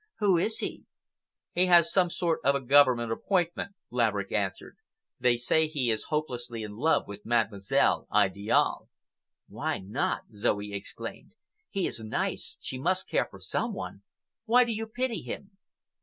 "Who is he?" "He has some sort of a Government appointment," Laverick answered. "They say he is hopelessly in love with Mademoiselle Idiale." "Why not?" Zoe exclaimed. "He is nice. She must care for some one. Why do you pity him?"